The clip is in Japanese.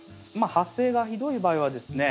発生がひどい場合はですね